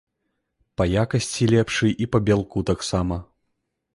Па якасці лепшы і па бялку таксама.